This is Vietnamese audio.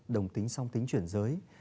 đồng tính xong tính chuyển giới